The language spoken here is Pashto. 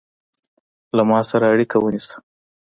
له ما سره اړیکه ونیسه